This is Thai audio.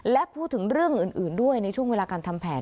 และพูดถึงเรื่องอื่นด้วยในช่วงเวลาการทำแผน